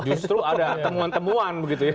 justru ada temuan temuan begitu ya